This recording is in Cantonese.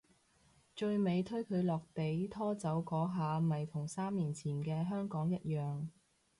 最尾推佢落地拖走嗰下咪同三年前嘅香港一樣